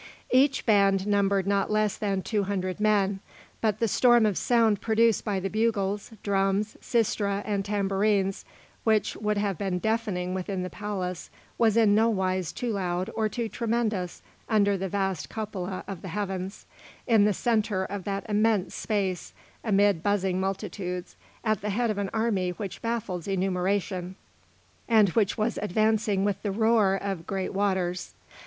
Each band numbered not less than two hundred men, but the storm of sound produced by the bugles, drums, sistra, and tambourines, which would have been deafening within the palace, was in no wise too loud or too tremendous under the vast cupola of the heavens, in the centre of that immense space, amid buzzing multitudes, at the head of an army which baffles enumeration and which was advancing with the roar of great waters.